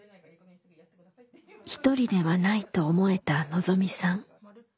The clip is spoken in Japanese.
「ひとりではない」と思えたのぞみさん。